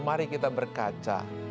mari kita berkaca